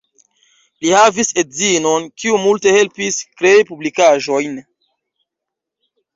Li havis edzinon, kiu multe helpis krei publikaĵojn.